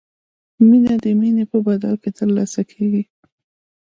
مینه د مینې په بدل کې ترلاسه کیږي.